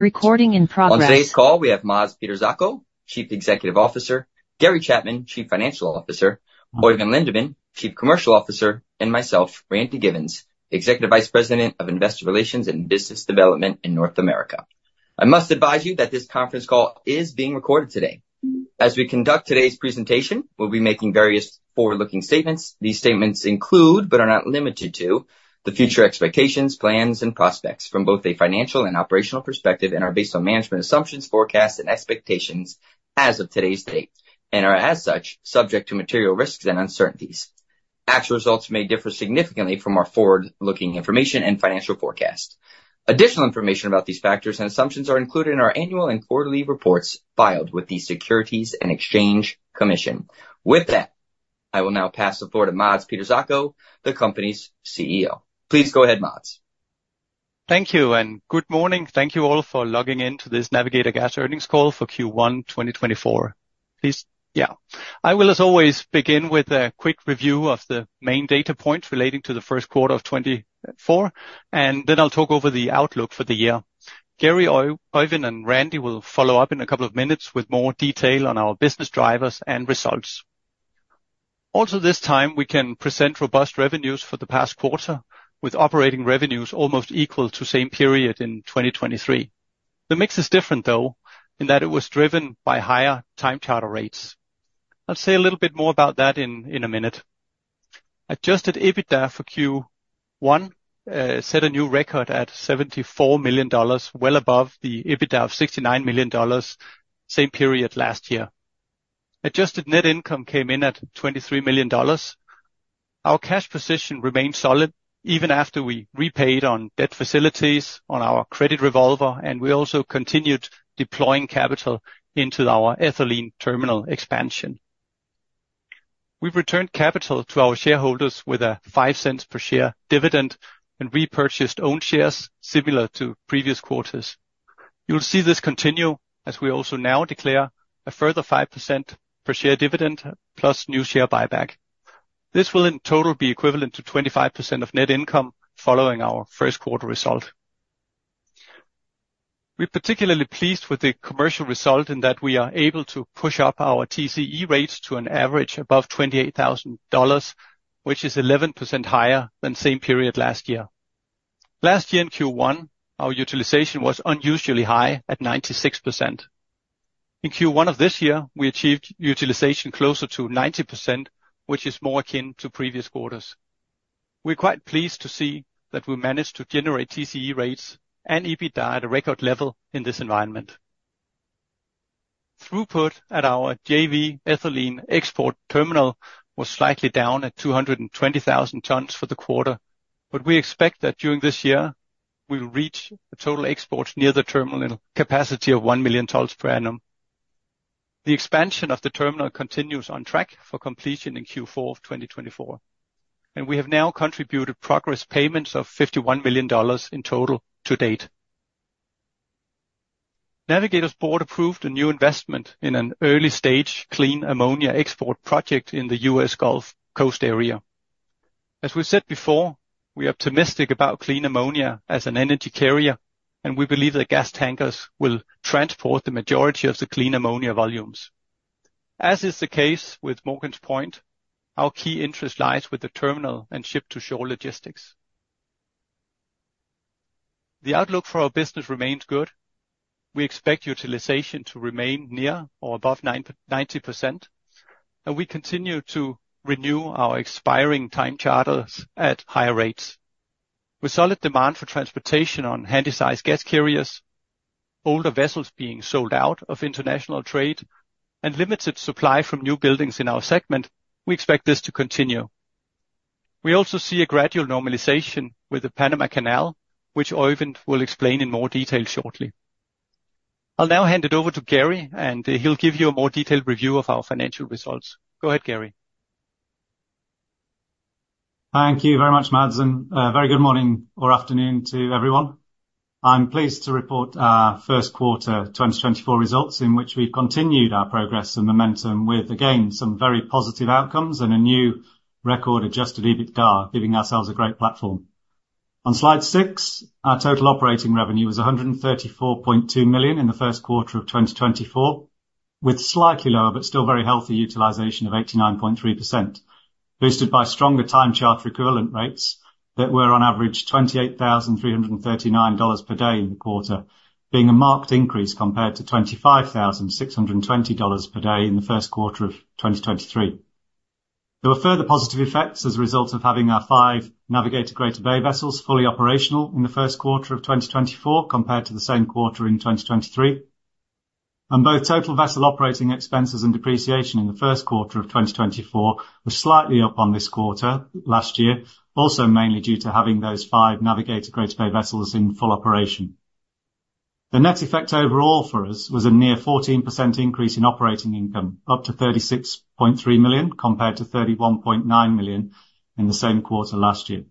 On today's call, we have Mads Peter Zacho, Chief Executive Officer, Gary Chapman, Chief Financial Officer, Øyvind Lindeman, Chief Commercial Officer, and myself, Randy Giveans, Executive Vice President of Investor Relations and Business Development in North America. I must advise you that this conference call is being recorded today. As we conduct today's presentation, we'll be making various forward-looking statements. These statements include, but are not limited to, the future expectations, plans, and prospects from both a financial and operational perspective, and are based on management assumptions, forecasts, and expectations as of today's date, and are as such, subject to material risks and uncertainties. Actual results may differ significantly from our forward-looking information and financial forecast. Additional information about these factors and assumptions are included in our annual and quarterly reports filed with the Securities and Exchange Commission. With that, I will now pass the floor to Mads Peter Zacho, the company's CEO. Please go ahead, Mads. Thank you, and good morning. Thank you all for logging in to this Navigator Gas earnings call for Q1 2024. I will, as always, begin with a quick review of the main data points relating to the first quarter of 2024, and then I'll talk over the outlook for the year. Gary, Øyvind, and Randy will follow up in a couple of minutes with more detail on our business drivers and results. Also, this time, we can present robust revenues for the past quarter, with operating revenues almost equal to same period in 2023. The mix is different, though, in that it was driven by higher time charter rates. I'll say a little bit more about that in a minute. Adjusted EBITDA for Q1 set a new record at $74 million, well above the EBITDA of $69 million, same period last year. Adjusted net income came in at $23 million. Our cash position remained solid even after we repaid on debt facilities on our credit revolver, and we also continued deploying capital into our ethylene terminal expansion. We've returned capital to our shareholders with a $0.05 per share dividend and repurchased own shares similar to previous quarters. You'll see this continue as we also now declare a further 5% per share dividend plus new share buyback. This will in total be equivalent to 25% of net income following our first quarter result. We're particularly pleased with the commercial result in that we are able to push up our TCE rates to an average above $28,000, which is 11% higher than same period last year. Last year in Q1, our utilization was unusually high at 96%. In Q1 of this year, we achieved utilization closer to 90%, which is more akin to previous quarters. We're quite pleased to see that we managed to generate TCE rates and EBITDA at a record level in this environment. Throughput at our JV ethylene export terminal was slightly down at 220,000 tons for the quarter, but we expect that during this year, we will reach the total exports near the terminal capacity of 1,000,000 tons per annum. The expansion of the terminal continues on track for completion in Q4 of 2024, and we have now contributed progress payments of $51 million in total to date. Navigator's board approved a new investment in an early-stage clean ammonia export project in the US Gulf Coast area. As we said before, we are optimistic about clean ammonia as an energy carrier, and we believe that gas tankers will transport the majority of the clean ammonia volumes. As is the case with Morgan's Point, our key interest lies with the terminal and ship-to-shore logistics. The outlook for our business remains good. We expect utilization to remain near or above 90%, and we continue to renew our expiring time charters at higher rates. With solid demand for transportation on Handysize gas carriers, older vessels being sold out of international trade, and limited supply from new buildings in our segment, we expect this to continue. We also see a gradual normalization with the Panama Canal, which Øyvind will explain in more detail shortly. I'll now hand it over to Gary, and he'll give you a more detailed review of our financial results. Go ahead, Gary. Thank you very much, Mads, and a very good morning or afternoon to everyone. I'm pleased to report our first quarter 2024 results, in which we continued our progress and momentum with, again, some very positive outcomes and a new record Adjusted EBITDA, giving ourselves a great platform. On Slide 6, our total operating revenue was $134.2 million in the first quarter of 2024, with slightly lower but still very healthy utilization of 89.3%, boosted by stronger time charter equivalent rates that were on average $28,339 per day in the quarter, being a marked increase compared to $25,620 per day in the first quarter of 2023. There were further positive effects as a result of having our five Navigator Greater Bay vessels fully operational in the first quarter of 2024, compared to the same quarter in 2023. Both total vessel operating expenses and depreciation in the first quarter of 2024 were slightly up on this quarter last year, also mainly due to having those five Navigator Greater Bay vessels in full operation. The net effect overall for us was a near 14% increase in operating income, up to $36.3 million, compared to $31.9 million in the same quarter last year.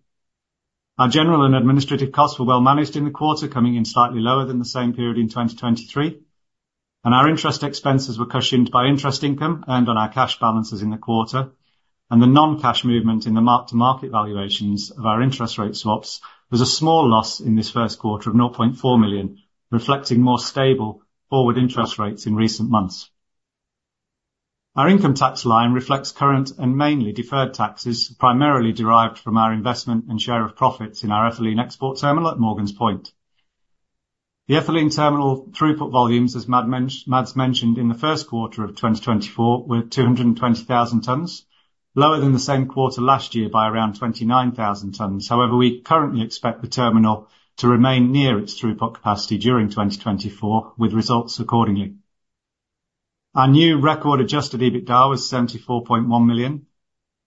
Our general and administrative costs were well managed in the quarter, coming in slightly lower than the same period in 2023.... Our interest expenses were cushioned by interest income earned on our cash balances in the quarter, and the non-cash movement in the mark-to-market valuations of our interest rate swaps was a small loss in this first quarter of $0.4 million, reflecting more stable forward interest rates in recent months. Our income tax line reflects current and mainly deferred taxes, primarily derived from our investment and share of profits in our ethylene export terminal at Morgan's Point. The ethylene terminal throughput volumes, as Mads mentioned in the first quarter of 2024, were 220,000 tons, lower than the same quarter last year by around 29,000 tons. However, we currently expect the terminal to remain near its throughput capacity during 2024, with results accordingly. Our new record Adjusted EBITDA was $74.1 million.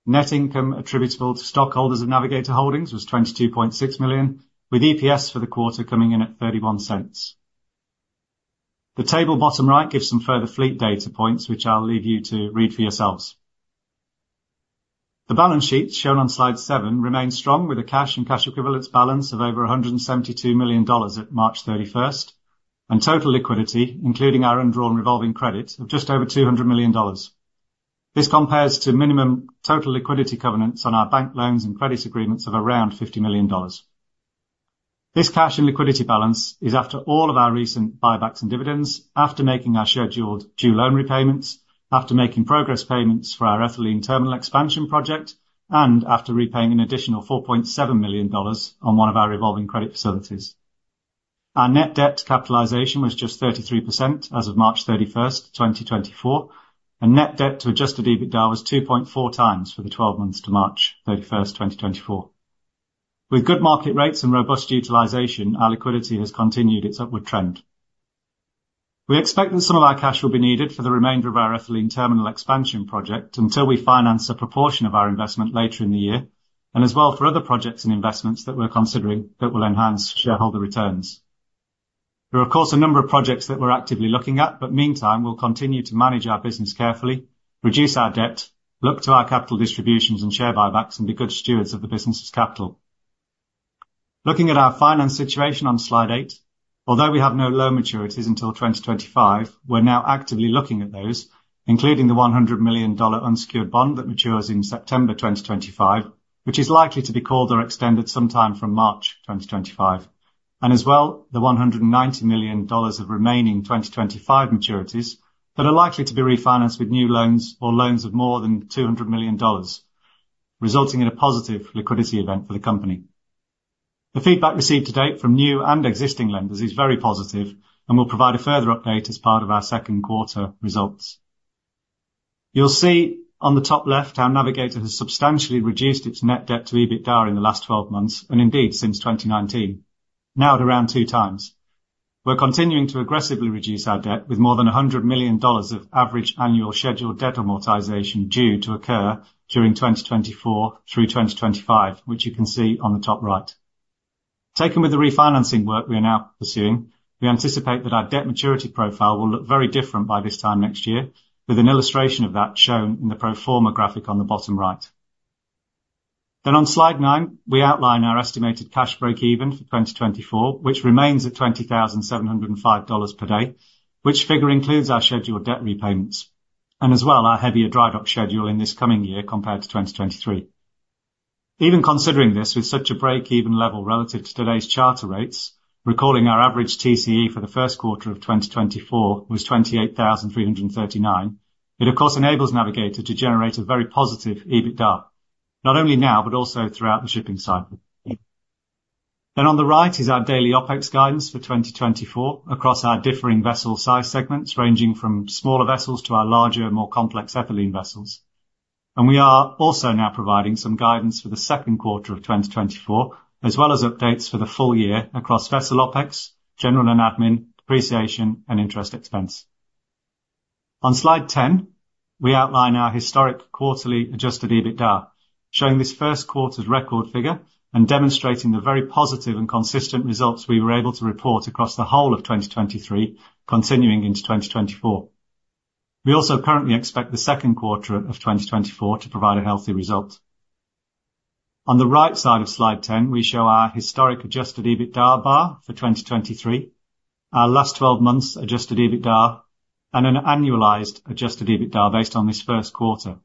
Net income attributable to stockholders of Navigator Holdings was $22.6 million, with EPS for the quarter coming in at $0.31. The table bottom right gives some further fleet data points, which I'll leave you to read for yourselves. The balance sheet, shown on Slide 7, remains strong, with a cash and cash equivalents balance of over $172 million at March thirty-first, and total liquidity, including our undrawn revolving credit, of just over $200 million. This compares to minimum total liquidity covenants on our bank loans and credit agreements of around $50 million. This cash and liquidity balance is after all of our recent buybacks and dividends, after making our scheduled due loan repayments, after making progress payments for our ethylene terminal expansion project, and after repaying an additional $4.7 million on one of our revolving credit facilities. Our net debt capitalization was just 33% as of March 31, 2024, and net debt to Adjusted EBITDA was 2.4 times for the 12 months to March 31, 2024. With good market rates and robust utilization, our liquidity has continued its upward trend. We expect that some of our cash will be needed for the remainder of our ethylene terminal expansion project until we finance a proportion of our investment later in the year, and as well for other projects and investments that we're considering that will enhance shareholder returns. There are, of course, a number of projects that we're actively looking at, but meantime, we'll continue to manage our business carefully, reduce our debt, look to our capital distributions and share buybacks, and be good stewards of the business's capital. Looking at our finance situation on Slide 8, although we have no loan maturities until 2025, we're now actively looking at those, including the $100 million unsecured bond that matures in September 2025, which is likely to be called or extended sometime from March 2025. And as well, the $190 million of remaining 2025 maturities that are likely to be refinanced with new loans or loans of more than $200 million, resulting in a positive liquidity event for the company. The feedback received to date from new and existing lenders is very positive and will provide a further update as part of our second quarter results. You'll see on the top left how Navigator has substantially reduced its net debt to EBITDA in the last 12 months and indeed, since 2019, now at around 2 times. We're continuing to aggressively reduce our debt with more than $100 million of average annual scheduled debt amortization due to occur during 2024 through 2025, which you can see on the top right. Taken with the refinancing work we are now pursuing, we anticipate that our debt maturity profile will look very different by this time next year, with an illustration of that shown in the pro forma graphic on the bottom right. On Slide 9, we outline our estimated cash breakeven for 2024, which remains at $20,705 per day, which figure includes our scheduled debt repayments and as well, our heavier dry dock schedule in this coming year compared to 2023. Even considering this, with such a breakeven level relative to today's charter rates, recalling our average TCE for the first quarter of 2024 was $28,339, it of course enables Navigator to generate a very positive EBITDA, not only now, but also throughout the shipping cycle. On the right is our daily OpEx guidance for 2024 across our differing vessel size segments, ranging from smaller vessels to our larger and more complex ethylene vessels. We are also now providing some guidance for the second quarter of 2024, as well as updates for the full year across vessel OpEx, general and admin, depreciation, and interest expense. On Slide 10, we outline our historic quarterly Adjusted EBITDA, showing this first quarter's record figure and demonstrating the very positive and consistent results we were able to report across the whole of 2023, continuing into 2024. We also currently expect the second quarter of 2024 to provide a healthy result. On the right side of Slide 10, we show our historic Adjusted EBITDA bar for 2023, our last 12 months Adjusted EBITDA, and an annualized Adjusted EBITDA based on this first quarter.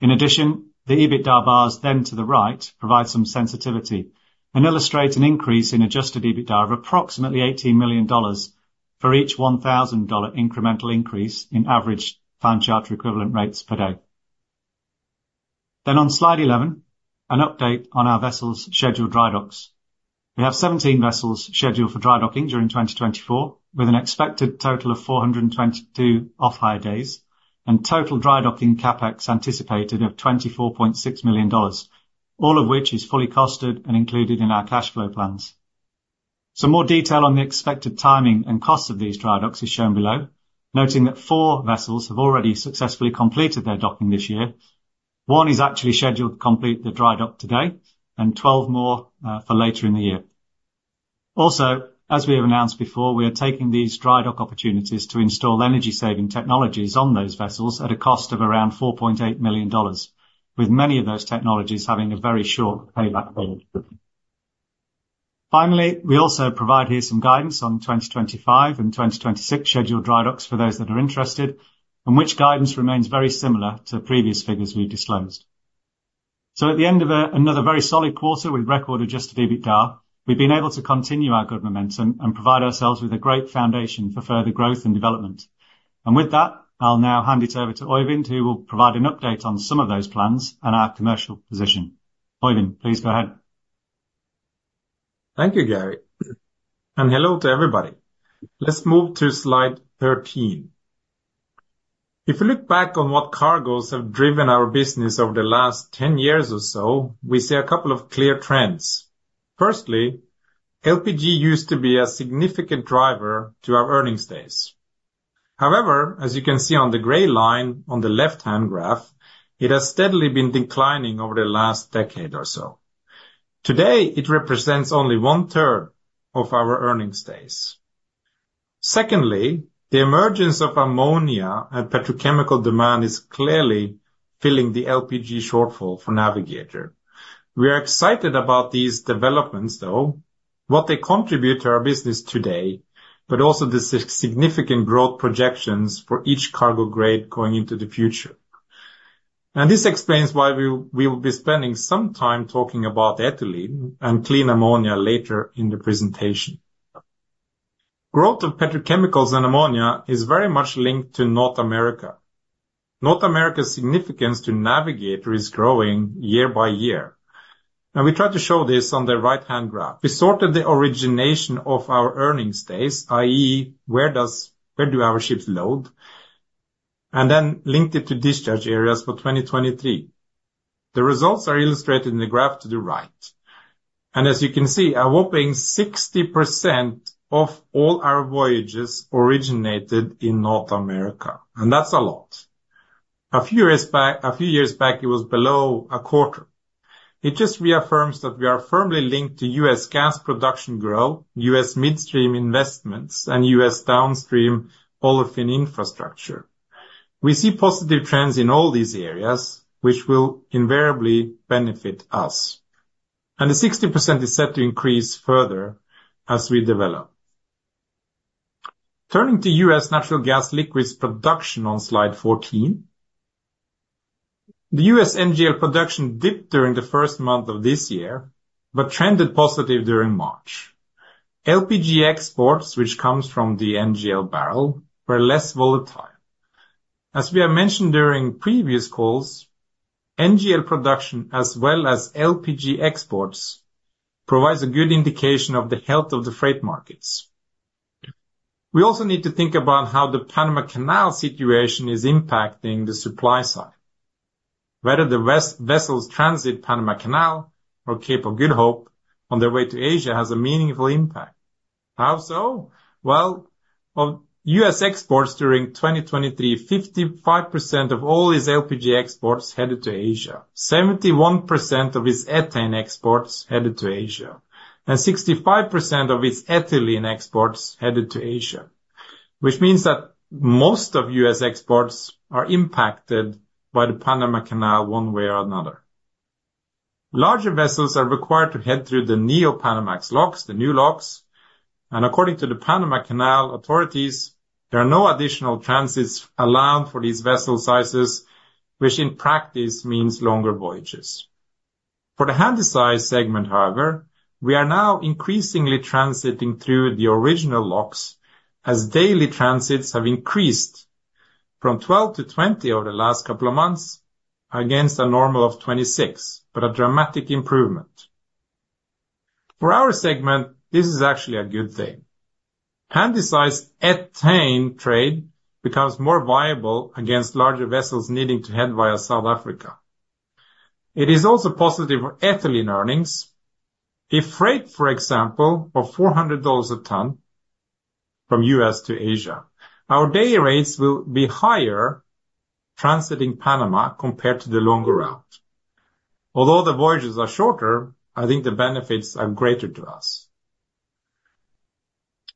In addition, the Adjusted EBITDA bars then to the right, provide some sensitivity and illustrate an increase in Adjusted EBITDA of approximately $18 million for each $1,000 incremental increase in average time charter equivalent rates per day. Then on Slide 11, an update on our vessels' scheduled dry docks. We have 17 vessels scheduled for dry docking during 2024, with an expected total of 422 off-hire days and total dry docking CapEx anticipated of $24.6 million, all of which is fully costed and included in our cash flow plans. Some more detail on the expected timing and costs of these dry docks is shown below, noting that 4 vessels have already successfully completed their docking this year. One is actually scheduled to complete their dry dock today and 12 more for later in the year. Also, as we have announced before, we are taking these dry dock opportunities to install energy-saving technologies on those vessels at a cost of around $4.8 million, with many of those technologies having a very short payback period. Finally, we also provide here some guidance on 2025 and 2026 scheduled dry docks for those that are interested, and which guidance remains very similar to previous figures we've disclosed. So at the end of, another very solid quarter, we've recorded Adjusted EBITDA. We've been able to continue our good momentum and provide ourselves with a great foundation for further growth and development. And with that, I'll now hand it over to Øyvind, who will provide an update on some of those plans and our commercial position. Øyvind, please go ahead. Thank you, Gary, and hello to everybody. Let's move to slide 13. If we look back on what cargoes have driven our business over the last 10 years or so, we see a couple of clear trends. Firstly, LPG used to be a significant driver to our earnings days. However, as you can see on the gray line on the left-hand graph, it has steadily been declining over the last decade or so. Today, it represents only one-third of our earnings days. Secondly, the emergence of ammonia and petrochemical demand is clearly filling the LPG shortfall for Navigator. We are excited about these developments, though, what they contribute to our business today, but also the significant growth projections for each cargo grade going into the future. This explains why we will be spending some time talking about ethylene and clean ammonia later in the presentation. Growth of petrochemicals and ammonia is very much linked to North America. North America's significance to Navigator is growing year by year, and we tried to show this on the right-hand graph. We sorted the origination of our earnings days, i.e., where do our ships load? And then linked it to discharge areas for 2023. The results are illustrated in the graph to the right. And as you can see, a whopping 60% of all our voyages originated in North America, and that's a lot. A few years back, a few years back, it was below a quarter. It just reaffirms that we are firmly linked to U.S. gas production growth, U.S. midstream investments, and U.S. downstream olefin infrastructure. We see positive trends in all these areas, which will invariably benefit us. And the 60% is set to increase further as we develop. Turning to U.S. natural gas liquids production on Slide 14. The U.S. NGL production dipped during the first month of this year, but trended positive during March. LPG exports, which comes from the NGL barrel, were less volatile. As we have mentioned during previous calls, NGL production, as well as LPG exports, provides a good indication of the health of the freight markets. We also need to think about how the Panama Canal situation is impacting the supply side. Whether these vessels transit Panama Canal or Cape of Good Hope on their way to Asia has a meaningful impact. How so? Well, of U.S. exports during 2023, 55% of all its LPG exports headed to Asia, 71% of its ethane exports headed to Asia, and 65% of its ethylene exports headed to Asia, which means that most of U.S. exports are impacted by the Panama Canal one way or another. Larger vessels are required to head through the Neopanamax locks, the new locks, and according to the Panama Canal authorities, there are no additional transits allowed for these vessel sizes, which in practice, means longer voyages. For the handysize segment, however, we are now increasingly transiting through the original locks, as daily transits have increased from 12 to 20 over the last couple of months, against a normal of 26, but a dramatic improvement. For our segment, this is actually a good thing. Handysize ethane trade becomes more viable against larger vessels needing to head via South Africa. It is also positive for ethylene earnings. If freight, for example, of $400 a ton from U.S. to Asia, our day rates will be higher transiting Panama compared to the longer route. Although the voyages are shorter, I think the benefits are greater to us.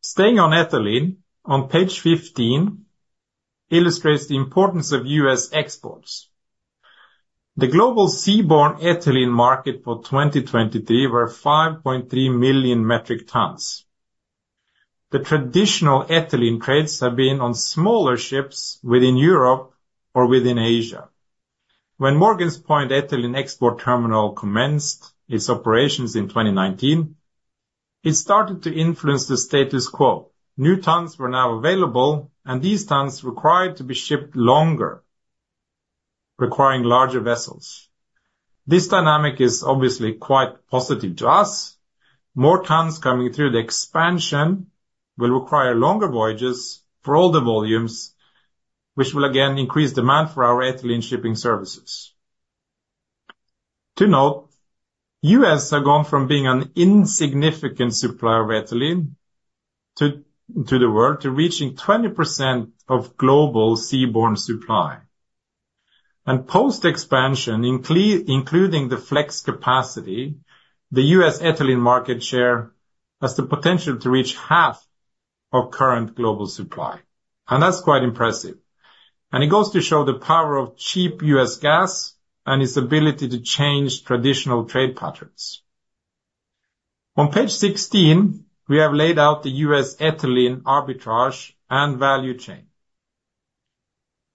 Staying on ethylene, on page 15 illustrates the importance of U.S. exports. The global seaborne ethylene market for 2023 were 5.3 million metric tons. The traditional ethylene trades have been on smaller ships within Europe or within Asia. When Morgan's Point ethylene export terminal commenced its operations in 2019, it started to influence the status quo. New tons were now available, and these tons required to be shipped longer, requiring larger vessels. This dynamic is obviously quite positive to us. More tons coming through the expansion will require longer voyages for all the volumes, which will again increase demand for our ethylene shipping services. To note, U.S. have gone from being an insignificant supplier of ethylene to the world to reaching 20% of global seaborne supply. Post-expansion, including the flex capacity, the U.S. ethylene market share has the potential to reach half of current global supply, and that's quite impressive. It goes to show the power of cheap U.S. gas and its ability to change traditional trade patterns. On page 16, we have laid out the U.S. ethylene arbitrage and value chain.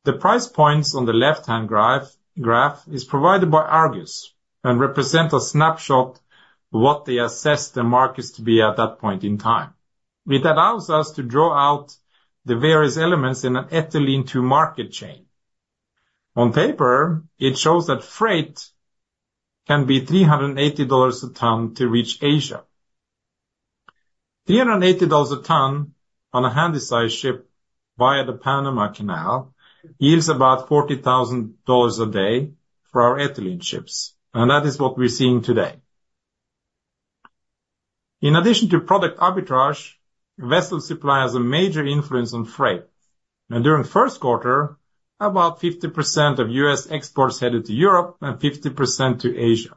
The price points on the left-hand graph, graph is provided by Argus, and represent a snapshot what they assess the markets to be at that point in time. It allows us to draw out the various elements in an ethylene to market chain. On paper, it shows that freight can be $380 a ton to reach Asia. $380 a ton on a Handysize ship via the Panama Canal yields about $40,000 a day for our ethylene ships, and that is what we're seeing today. In addition to product arbitrage, vessel supply has a major influence on freight, and during the first quarter, about 50% of U.S. exports headed to Europe and 50% to Asia.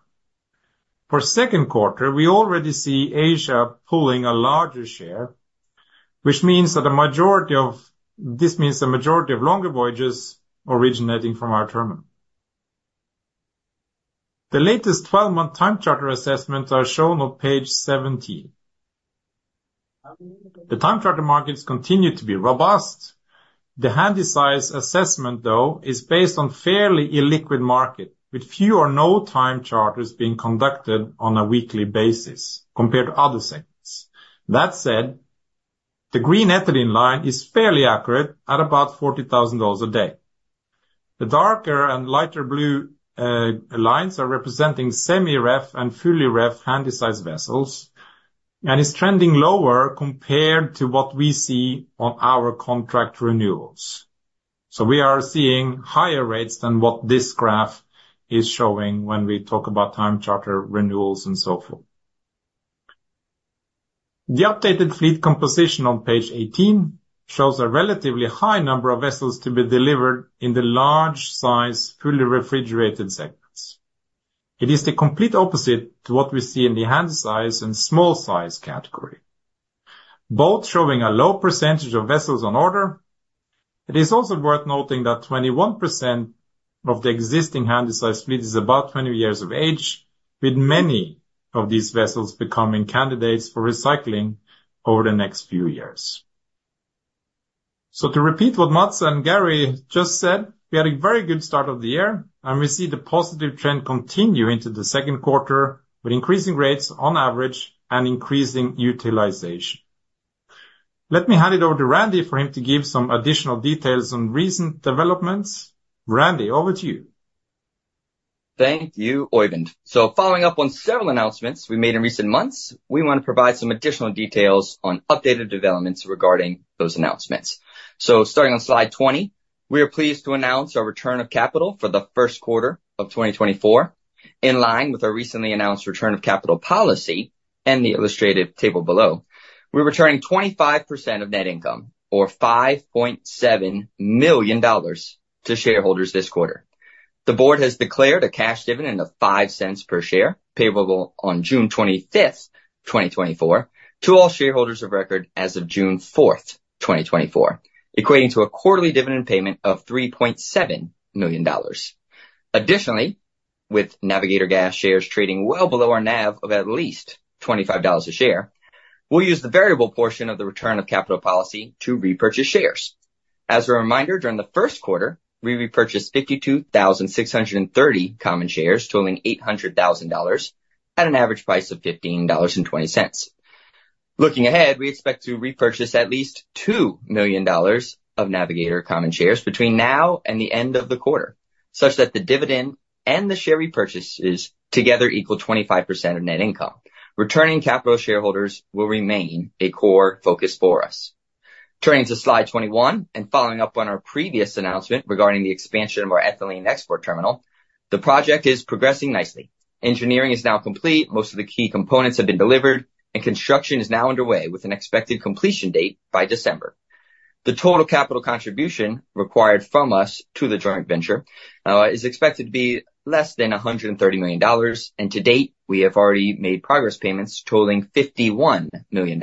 For second quarter, we already see Asia pulling a larger share, which means that the majority of—this means the majority of longer voyages originating from our terminal. The latest 12-month time charter assessments are shown on page 17. The time charter markets continue to be robust. The handysize assessment, though, is based on fairly illiquid market, with few or no time charters being conducted on a weekly basis compared to other segments. That said, the green ethylene line is fairly accurate at about $40,000 a day. The darker and lighter blue lines are representing semi-ref and fully ref handysized vessels, and is trending lower compared to what we see on our contract renewals. So we are seeing higher rates than what this graph is showing when we talk about time charter renewals and so forth. The updated fleet composition on page 18 shows a relatively high number of vessels to be delivered in the large size, fully refrigerated segments. It is the complete opposite to what we see in the handysize and small size category, both showing a low percentage of vessels on order. It is also worth noting that 21% of the existing handysize fleet is about 20 years of age, with many of these vessels becoming candidates for recycling over the next few years. To repeat what Mads and Gary just said, we had a very good start of the year, and we see the positive trend continue into the second quarter, with increasing rates on average and increasing utilization. Let me hand it over to Randy for him to give some additional details on recent developments. Randy, over to you. Thank you, Øyvind. So following up on several announcements we made in recent months, we want to provide some additional details on updated developments regarding those announcements. So starting on slide 20, we are pleased to announce our return of capital for the first quarter of 2024, in line with our recently announced return of capital policy and the illustrative table below. We're returning 25% of net income, or $5.7 million to shareholders this quarter. The board has declared a cash dividend of $0.05 per share, payable on June 25, 2024, to all shareholders of record as of June 4, 2024, equating to a quarterly dividend payment of $3.7 million. Additionally, with Navigator Gas shares trading well below our NAV of at least $25 a share, we'll use the variable portion of the return of capital policy to repurchase shares. As a reminder, during the first quarter, we repurchased 52,600 common shares, totaling $800,000 at an average price of $15.20. Looking ahead, we expect to repurchase at least $2 million of Navigator common shares between now and the end of the quarter, such that the dividend and the share repurchases together equal 25% of net income. Returning capital to shareholders will remain a core focus for us. Turning to slide 21, and following up on our previous announcement regarding the expansion of our ethylene export terminal, the project is progressing nicely. Engineering is now complete. Most of the key components have been delivered, and construction is now underway, with an expected completion date by December. The total capital contribution required from us to the joint venture is expected to be less than $130 million, and to date, we have already made progress payments totaling $51 million,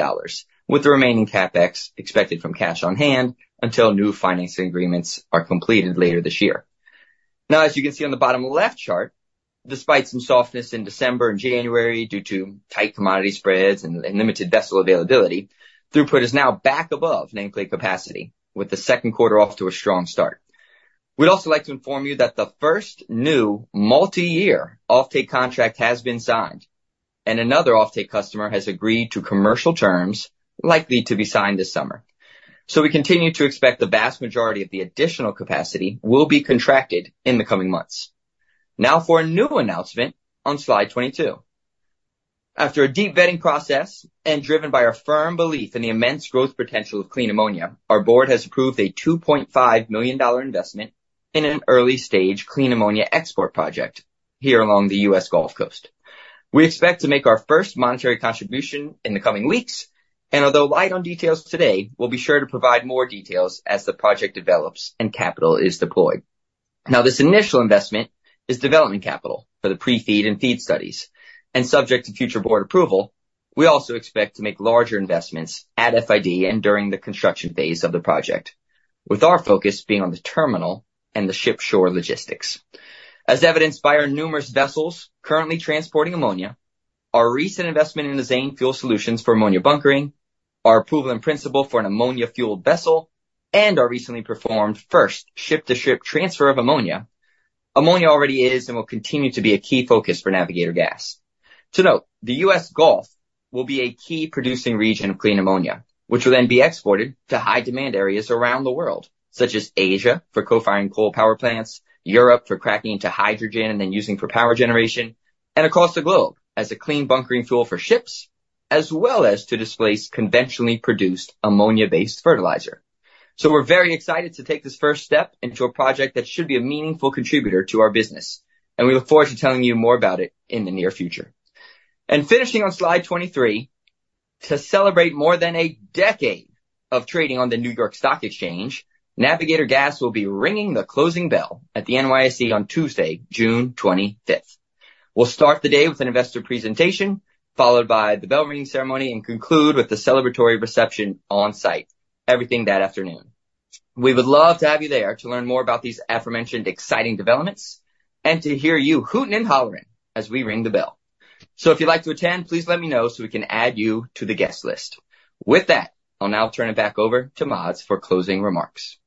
with the remaining CapEx expected from cash on hand until new financing agreements are completed later this year. Now, as you can see on the bottom left chart, despite some softness in December and January due to tight commodity spreads and limited vessel availability, throughput is now back above nameplate capacity, with the second quarter off to a strong start. We'd also like to inform you that the first new multi-year offtake contract has been signed, and another offtake customer has agreed to commercial terms likely to be signed this summer. So we continue to expect the vast majority of the additional capacity will be contracted in the coming months. Now for a new announcement on slide 22. After a deep vetting process and driven by our firm belief in the immense growth potential of clean ammonia, our board has approved a $2.5 million investment in an early-stage clean ammonia export project here along the US Gulf Coast. We expect to make our first monetary contribution in the coming weeks, and although light on details today, we'll be sure to provide more details as the project develops and capital is deployed. Now, this initial investment is development capital for the pre-FEED and FEED studies, and subject to future board approval, we also expect to make larger investments at FID and during the construction phase of the project, with our focus being on the terminal and the ship-to-shore logistics. As evidenced by our numerous vessels currently transporting ammonia, our recent investment in the Azane Fuel Solutions for ammonia bunkering, our approval in principle for an ammonia-fueled vessel, and our recently performed first ship-to-ship transfer of ammonia, ammonia already is and will continue to be a key focus for Navigator Gas. To note, the U.S. Gulf will be a key producing region of clean ammonia, which will then be exported to high-demand areas around the world, such as Asia, for co-firing coal power plants, Europe for cracking into hydrogen and then using for power generation, and across the globe as a clean bunkering tool for ships, as well as to displace conventionally produced ammonia-based fertilizer. We're very excited to take this first step into a project that should be a meaningful contributor to our business, and we look forward to telling you more about it in the near future. Finishing on slide 23, to celebrate more than a decade of trading on the New York Stock Exchange, Navigator Gas will be ringing the closing bell at the NYSE on Tuesday, June 25. We'll start the day with an investor presentation, followed by the bell ringing ceremony and conclude with the celebratory reception on site. Everything that afternoon. We would love to have you there to learn more about these aforementioned exciting developments and to hear you hooting and hollering as we ring the bell. So if you'd like to attend, please let me know so we can add you to the guest list. With that, I'll now turn it back over to Mads for closing remarks.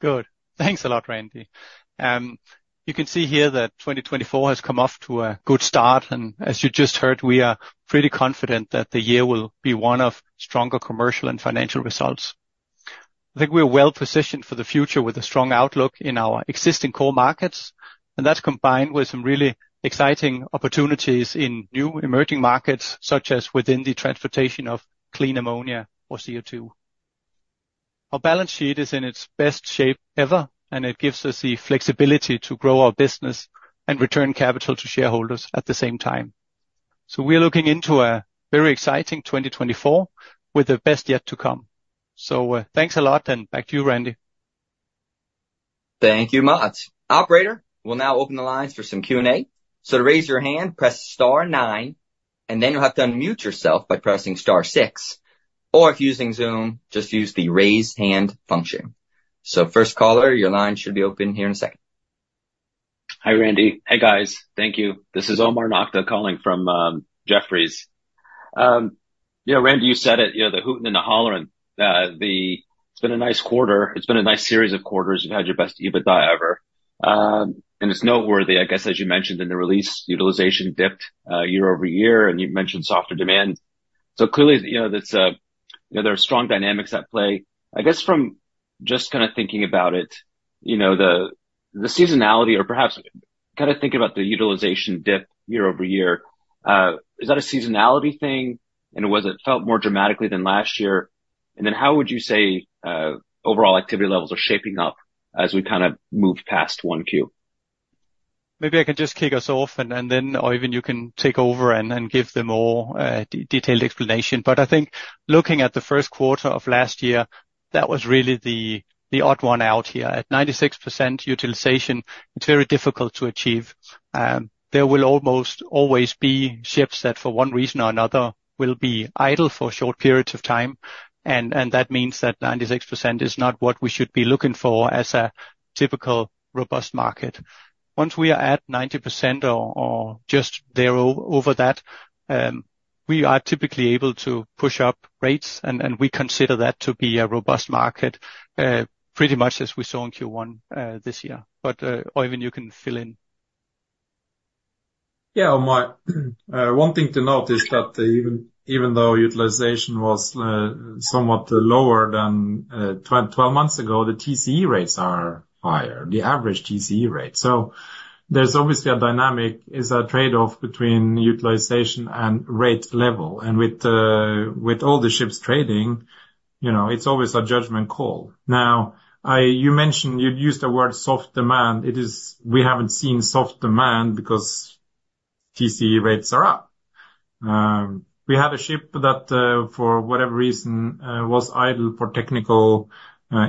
Good. Thanks a lot, Randy. You can see here that 2024 has come off to a good start, and as you just heard, we are pretty confident that the year will be one of stronger commercial and financial results. I think we are well-positioned for the future with a strong outlook in our existing core markets, and that's combined with some really exciting opportunities in new emerging markets, such as within the transportation of clean ammonia or CO2. Our balance sheet is in its best shape ever, and it gives us the flexibility to grow our business and return capital to shareholders at the same time. So we're looking into a very exciting 2024, with the best yet to come. So, thanks a lot, and back to you, Randy. Thank you, Mads. Operator, we'll now open the lines for some Q&A. So to raise your hand, press star nine, and then you'll have to unmute yourself by pressing star six. Or if you're using Zoom, just use the raise hand function. So first caller, your line should be open here in a second. Hi, Randy. Hey, guys. Thank you. This is Omar Nokta calling from Jefferies. Yeah, Randy, you said it, you know, the hooting and the hollering. It's been a nice quarter. It's been a nice series of quarters. You've had your best EBITDA ever. And it's noteworthy, I guess, as you mentioned in the release, utilization dipped year-over-year, and you've mentioned softer demand. So clearly, you know, that's a, you know, there are strong dynamics at play. I guess from just kind of thinking about it, you know, the seasonality or perhaps kind of thinking about the utilization dip year-over-year, is that a seasonality thing? And was it felt more dramatically than last year? And then how would you say overall activity levels are shaping up as we kind of move past 1Q? Maybe I can just kick us off and, and then, or even you can take over and, and give the more detailed explanation. But I think looking at the first quarter of last year, that was really the odd one out here. At 96% utilization, it's very difficult to achieve. There will almost always be ships that, for one reason or another, will be idle for short periods of time, and that means that 96% is not what we should be looking for as a typical robust market. Once we are at 90% or just there over that, we are typically able to push up rates, and we consider that to be a robust market, pretty much as we saw in Q1 this year. But, Øyvind, you can fill in. Yeah, Omar, one thing to note is that even, even though utilization was somewhat lower than twelve months ago, the TCE rates are higher, the average TCE rate. So there's obviously a dynamic. It's a trade-off between utilization and rate level. And with all the ships trading, you know, it's always a judgment call. Now, you mentioned you'd use the word soft demand. It is. We haven't seen soft demand because TCE rates are up. We had a ship that, for whatever reason, was idle for technical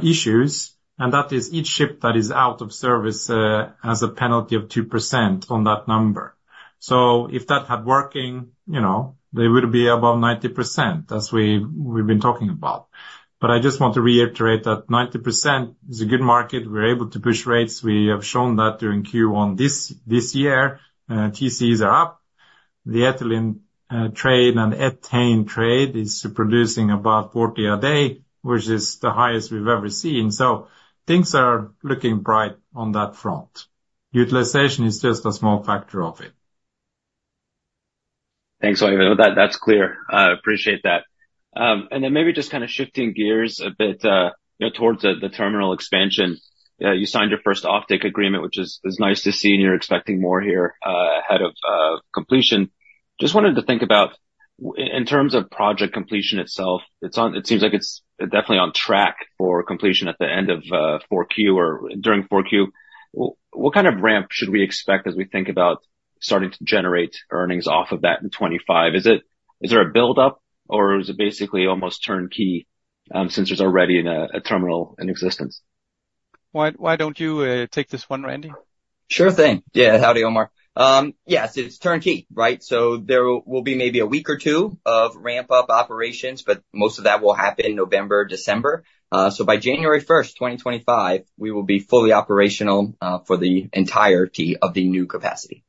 issues, and that is each ship that is out of service as a penalty of 2% on that number. So if that had working, you know, they would be above 90%, as we've been talking about. But I just want to reiterate that 90% is a good market. We're able to push rates. We have shown that during Q1 this year. TCEs are up. The ethylene, trade and ethane trade is producing about $40 a day, which is the highest we've ever seen. So things are looking bright on that front. Utilization is just a small factor of it. Thanks, Øyvind. That, that's clear. I appreciate that. And then maybe just kind of shifting gears a bit, you know, towards the, the terminal expansion. You signed your first offtake agreement, which is nice to see, and you're expecting more here ahead of completion. Just wanted to think about in terms of project completion itself, it's on it seems like it's definitely on track for completion at the end of 4Q or during 4Q. What kind of ramp should we expect as we think about starting to generate earnings off of that in 2025? Is it-... Is there a build-up, or is it basically almost turnkey, since there's already a terminal in existence? Why, why don't you take this one, Randy? Sure thing. Yeah, howdy, Omar. Yes, it's turnkey, right? So there will be maybe a week or two of ramp-up operations, but most of that will happen November, December. So by January first, 2025, we will be fully operational, for the entirety of the new capacity.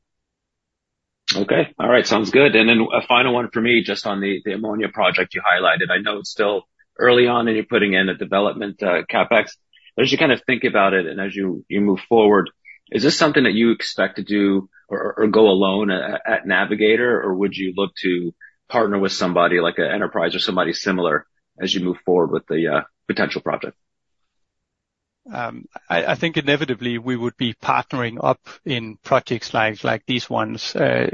Okay. All right, sounds good. And then a final one for me, just on the ammonia project you highlighted. I know it's still early on, and you're putting in a development CapEx. As you kind of think about it and as you move forward, is this something that you expect to do or go alone at Navigator, or would you look to partner with somebody like an Enterprise or somebody similar as you move forward with the potential project? I think inevitably we would be partnering up in projects like these ones.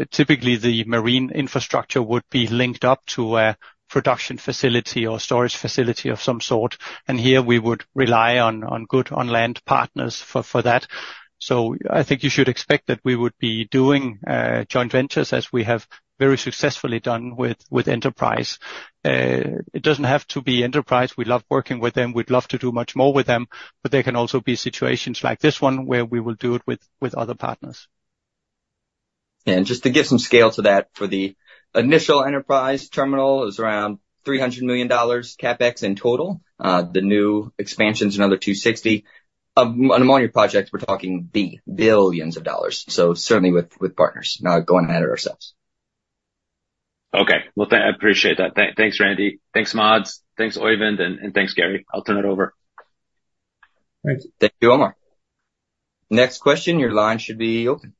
Typically, the marine infrastructure would be linked up to a production facility or storage facility of some sort, and here we would rely on good on land partners for that. So I think you should expect that we would be doing joint ventures as we have very successfully done with Enterprise. It doesn't have to be Enterprise. We love working with them. We'd love to do much more with them, but there can also be situations like this one where we will do it with other partners. And just to give some scale to that, for the initial Enterprise terminal is around $300 million CapEx in total. The new expansion's another $260 million. On ammonia projects, we're talking $ billions, so certainly with, with partners, not going at it ourselves. Okay. Well, I appreciate that. Thanks, Randy. Thanks, Mads. Thanks, Øyvind, and thanks, Gary. I'll turn it over. Thanks. Thank you, Omar. Next question. Your line should be open.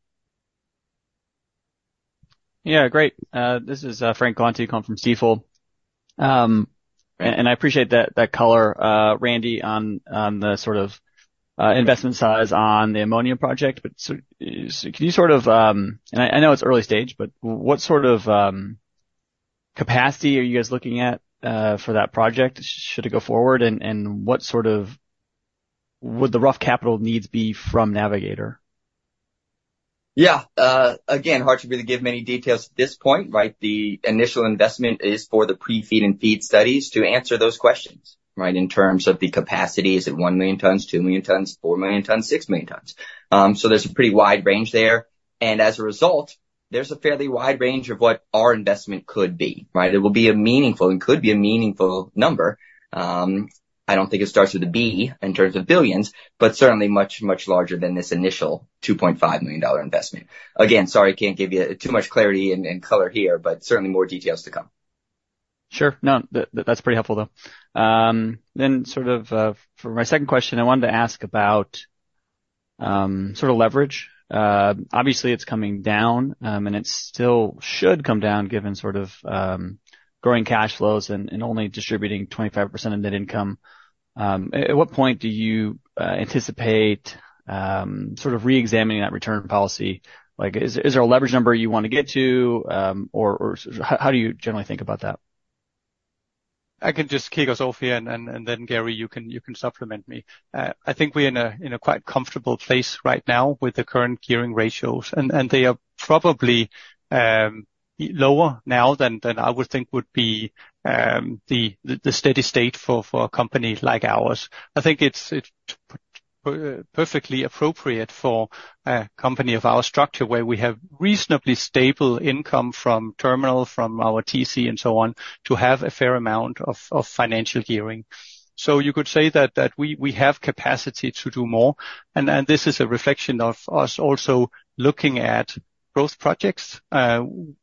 Yeah, great. This is Frank Galanti, calling from Stifel. And I appreciate that color, Randy, on the sort of investment size on the ammonia project. But so can you sort of... And I know it's early stage, but what sort of capacity are you guys looking at for that project, should it go forward, and what sort of would the rough capital needs be from Navigator? Yeah. Again, hard to be able to give many details at this point, right? The initial investment is for the pre-feed and feed studies to answer those questions, right? In terms of the capacity, is it 1 million tons, 2 million tons, 4 million tons, 6 million tons? So there's a pretty wide range there. And as a result, there's a fairly wide range of what our investment could be, right? It will be a meaningful and could be a meaningful number. I don't think it starts with a B in terms of billions, but certainly much, much larger than this initial $2.5 million investment. Again, sorry, I can't give you too much clarity and, and color here, but certainly more details to come. Sure. No, that, that's pretty helpful, though. Then sort of, for my second question, I wanted to ask about, sort of leverage. Obviously, it's coming down, and it still should come down, given sort of, growing cash flows and, and only distributing 25% of net income. At what point do you, anticipate, sort of reexamining that return policy? Like, is, is there a leverage number you want to get to, or, or how do you generally think about that? I can just kick us off here, and then, Gary, you can supplement me. I think we're in a quite comfortable place right now with the current gearing ratios, and they are probably lower now than I would think would be the steady state for a company like ours. I think it's perfectly appropriate for a company of our structure, where we have reasonably stable income from terminal, from our TC and so on, to have a fair amount of financial gearing. So you could say that we have capacity to do more, and this is a reflection of us also looking at growth projects.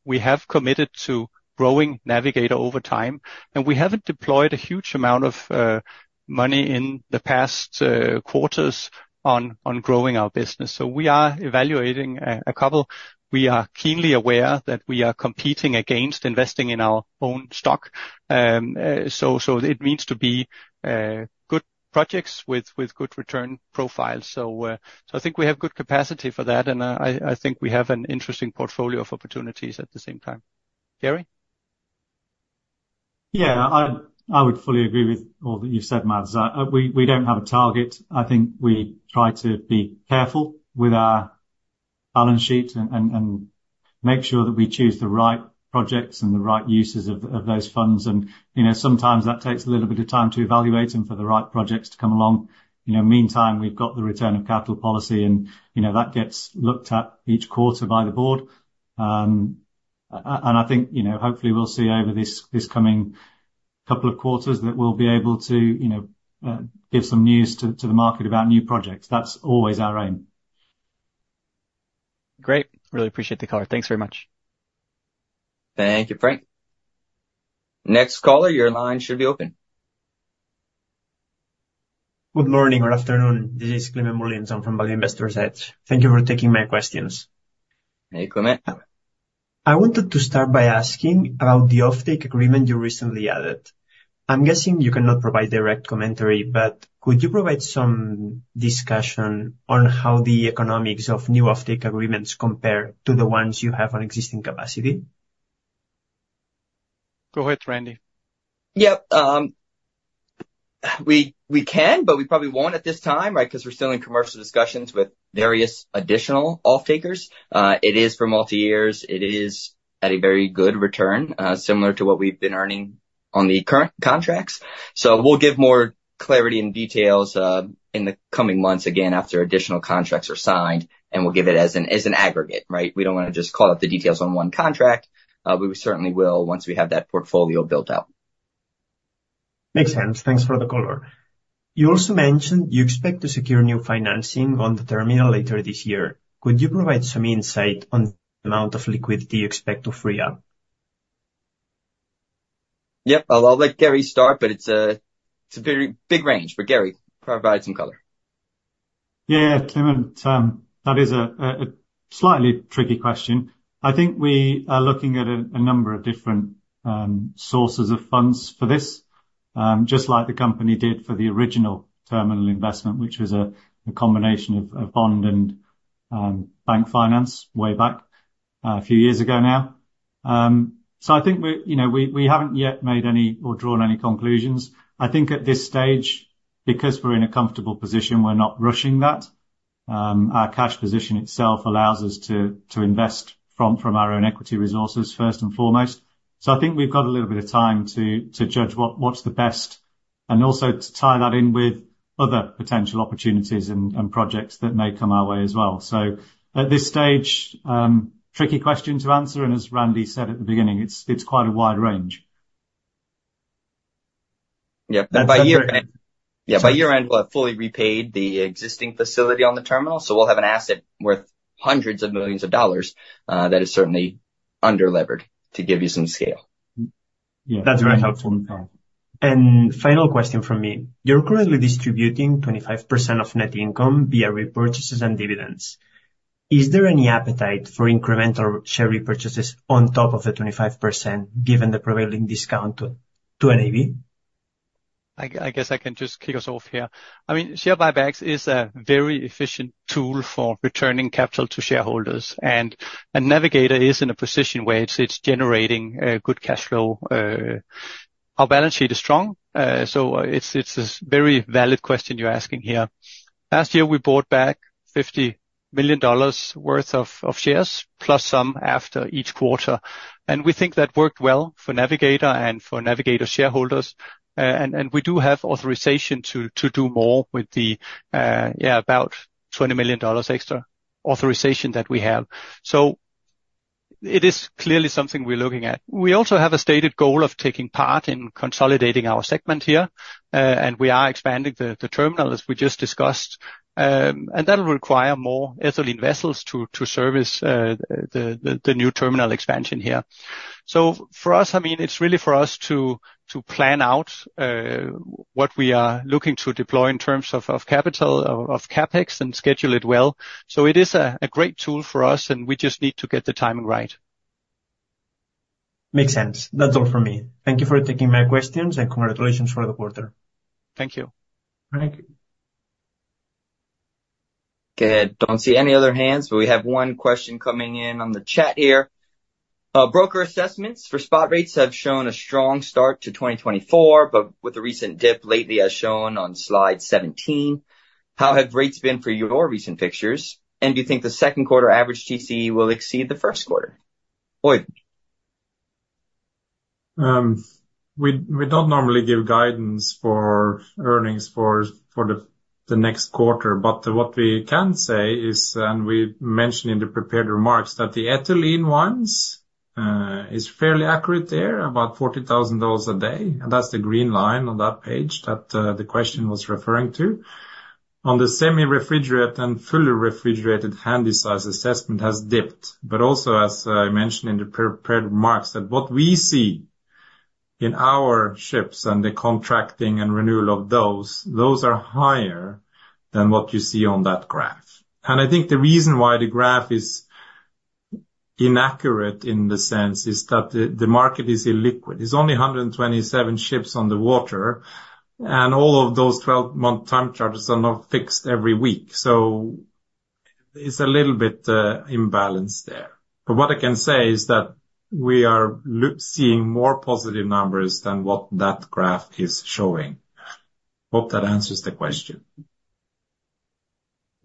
We have committed to growing Navigator over time, and we haven't deployed a huge amount of money in the past quarters on growing our business, so we are evaluating a couple. We are keenly aware that we are competing against investing in our own stock. So it needs to be good projects with good return profiles. So I think we have good capacity for that, and I think we have an interesting portfolio of opportunities at the same time. Gary? Yeah. I would fully agree with all that you've said, Mads. We don't have a target. I think we try to be careful with our balance sheet and make sure that we choose the right projects and the right uses of those funds. And, you know, sometimes that takes a little bit of time to evaluate and for the right projects to come along. You know, meantime, we've got the return of capital policy, and, you know, that gets looked at each quarter by the board. And I think, you know, hopefully we'll see over this coming couple of quarters that we'll be able to, you know, give some news to the market about new projects. That's always our aim. Great. Really appreciate the color. Thanks very much. Thank you, Frank. Next caller, your line should be open. Good morning or afternoon. This is Climent Molins. I'm from Value Investor's Edge. Thank you for taking my questions. Hey, Climent. I wanted to start by asking about the offtake agreement you recently added. I'm guessing you cannot provide direct commentary, but could you provide some discussion on how the economics of new offtake agreements compare to the ones you have on existing capacity? Go ahead, Randy. Yep, we can, but we probably won't at this time, right? Because we're still in commercial discussions with various additional off-takers. It is for multi years. It is at a very good return, similar to what we've been earning on the current contracts. So we'll give more clarity and details in the coming months, again, after additional contracts are signed, and we'll give it as an aggregate, right? We don't wanna just call out the details on one contract, but we certainly will once we have that portfolio built out. Makes sense. Thanks for the color. You also mentioned you expect to secure new financing on the terminal later this year. Could you provide some insight on the amount of liquidity you expect to free up? Yep. I'll let Gary start, but it's a very big range. But Gary, provide some color. Yeah, Climent, that is a slightly tricky question. I think we are looking at a number of different sources of funds for this, just like the company did for the original terminal investment, which was a combination of bond and bank finance way back a few years ago now. So I think we're, you know, we haven't yet made any or drawn any conclusions. I think at this stage, because we're in a comfortable position, we're not rushing that. Our cash position itself allows us to invest from our own equity resources, first and foremost. So I think we've got a little bit of time to judge what's the best, and also to tie that in with other potential opportunities and projects that may come our way as well. At this stage, tricky question to answer, and as Randy said at the beginning, it's, it's quite a wide range. Yeah, and by year end- Yeah. By year end, we'll have fully repaid the existing facility on the terminal, so we'll have an asset worth $hundreds of millions that is certainly under-levered, to give you some scale. Yeah. That's very helpful. And final question from me: You're currently distributing 25% of net income via repurchases and dividends. Is there any appetite for incremental share repurchases on top of the 25%, given the prevailing discount to NAV? I guess I can just kick us off here. I mean, share buybacks is a very efficient tool for returning capital to shareholders, and Navigator is in a position where it's generating good cash flow. Our balance sheet is strong, so it's a very valid question you're asking here. Last year, we bought back $50 million worth of shares, plus some after each quarter, and we think that worked well for Navigator and for Navigator shareholders. And we do have authorization to do more with the, yeah, about $20 million extra authorization that we have. So it is clearly something we're looking at. We also have a stated goal of taking part in consolidating our segment here, and we are expanding the terminal, as we just discussed. And that will require more ethylene vessels to service the new terminal expansion here. So for us, I mean, it's really for us to plan out what we are looking to deploy in terms of capital, of CapEx and schedule it well. So it is a great tool for us, and we just need to get the timing right. Makes sense. That's all for me. Thank you for taking my questions, and congratulations for the quarter. Thank you. Thank you. Okay, don't see any other hands, but we have one question coming in on the chat here. Broker assessments for spot rates have shown a strong start to 2024, but with a recent dip lately, as shown on slide 17, how have rates been for your recent fixtures, and do you think the second quarter average TCE will exceed the first quarter? Øyvind. We don't normally give guidance for earnings for the next quarter, but what we can say is, and we mentioned in the prepared remarks, that the ethylene ones is fairly accurate there, about $40,000 a day, and that's the green line on that page that the question was referring to. On the semi-refrigerated and fully refrigerated handysize assessment has dipped, but also, as I mentioned in the prepared remarks, that what we see in our ships and the contracting and renewal of those, those are higher than what you see on that graph. And I think the reason why the graph is inaccurate in the sense, is that the market is illiquid. There's only 127 ships on the water, and all of those 12-month time charters are not fixed every week, so it's a little bit imbalanced there. But what I can say is that we are seeing more positive numbers than what that graph is showing. Hope that answers the question.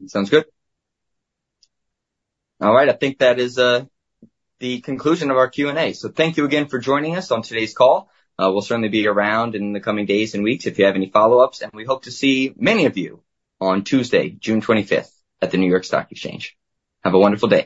Sounds good. All right, I think that is the conclusion of our Q&A. So thank you again for joining us on today's call. We'll certainly be around in the coming days and weeks if you have any follow-ups, and we hope to see many of you on Tuesday, June 25th, at the New York Stock Exchange. Have a wonderful day.